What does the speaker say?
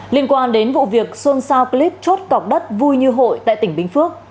liên quan đến vụ việc xuân sao clip chốt cọc đất vui như hội tại tỉnh bình phước